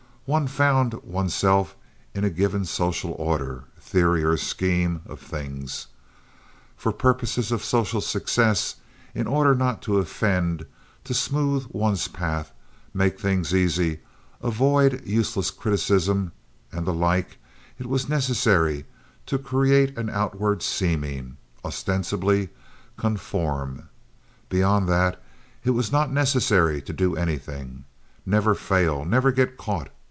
One found oneself in a given social order, theory, or scheme of things. For purposes of social success, in order not to offend, to smooth one's path, make things easy, avoid useless criticism, and the like, it was necessary to create an outward seeming—ostensibly conform. Beyond that it was not necessary to do anything. Never fail, never get caught.